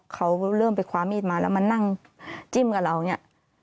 เขาเริ่มไปคว้ามีดมาแล้วมานั่งจิ้มกับเราเนี่ย